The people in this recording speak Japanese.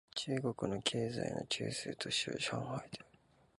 中国の経済の中枢都市は上海である